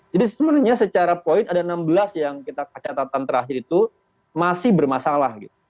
jadi sebenarnya secara poin ada enam belas yang kita catatan terakhir itu masih bermasalah gitu